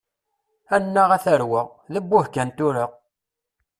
Annaɣ, a tarwa! D abbuh kan, tura!